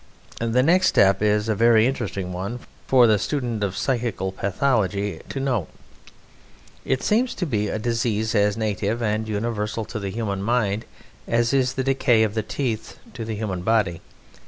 The next step is a very interesting one for the student of psychical pathology to note. It seems to be a disease as native and universal to the human mind as is the decay of the teeth to the human body.